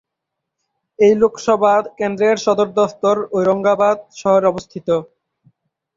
এই লোকসভা কেন্দ্রের সদর দফতর ঔরঙ্গাবাদ শহরে অবস্থিত।